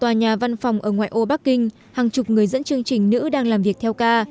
tòa nhà văn phòng ở ngoại ô bắc kinh hàng chục người dẫn chương trình nữ đang làm việc theo ca